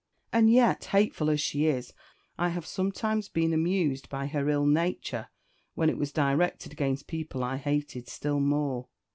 And yet, hateful as she is, I blush to say I have sometimes been amused by her ill nature when it was directed against people I hated still more.